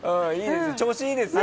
調子いいですね